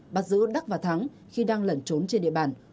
bắt giữ đắc và thắng khi đang lẩn trốn trên địa bàn